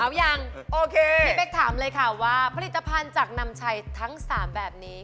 ยังโอเคพี่เป๊กถามเลยค่ะว่าผลิตภัณฑ์จากนำชัยทั้ง๓แบบนี้